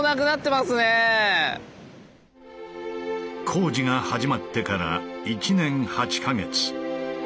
工事が始まってから１年８か月。